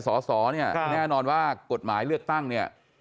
สรราชบุรีย์เนี่ยแน่นอนว่ากฎหมายเลือกตั้งเนี่ย